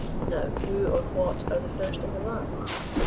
Now, who or what are The First and The Last?